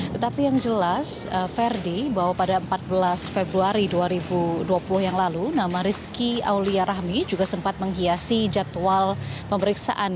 tetapi yang jelas ferdi bahwa pada empat belas februari dua ribu dua puluh yang lalu nama rizky aulia rahmi juga sempat menghiasi jadwal pemeriksaan